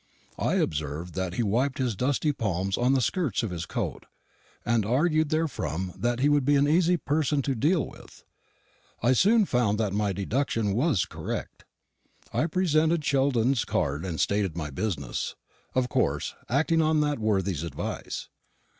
I observed that he wiped his dusty palms on the skirts of his coat, and argued therefrom that he would be an easy person to deal with. I soon found that my deduction was correct. I presented Sheldon's card and stated my business, of course acting on that worthy's advice.